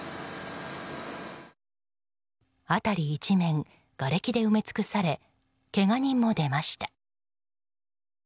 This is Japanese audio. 辺り一面、がれきで埋め尽くされけが人も出ました。